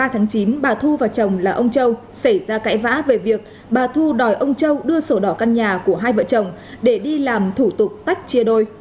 ba tháng chín bà thu và chồng là ông châu xảy ra cãi vã về việc bà thu đòi ông châu đưa sổ đỏ căn nhà của hai vợ chồng để đi làm thủ tục tách chia đôi